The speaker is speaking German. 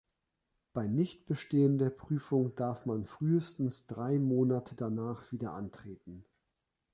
Bei Nichtbestehen der Prüfung darf man frühestens drei Monate danach wieder antreten.